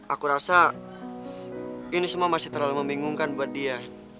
aku rasa ini semua masih terlalu membingungkan buat dia